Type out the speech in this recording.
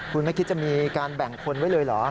คุณไม่คิดจะมีการแบ่งคนไว้เลยเหรอ